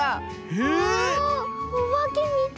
ええ⁉わあおばけみたい。